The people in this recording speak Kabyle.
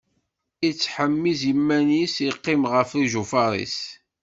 Ittḥemmiẓ iman-is, iqqim ɣef ijufaṛ-is.